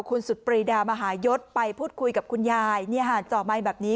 คุณสุดปรีดามหายศไปพูดคุยกับคุณยายจ่อไมค์แบบนี้